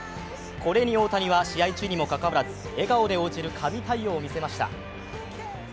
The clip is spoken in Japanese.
これに大谷は試合中にもかかわらず笑顔で応じる神対応を見せました。